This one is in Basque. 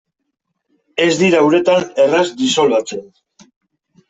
Ez dira uretan erraz disolbatzen.